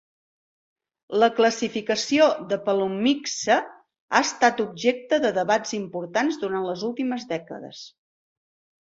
La classificació de "pelomyxa" ha estat objecte de debats importants durant les últimes dècades.